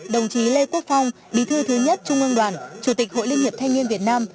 đồng chí lê quốc phong bí thư thứ nhất trung ương đoàn chủ tịch hội liên hiệp thanh niên việt nam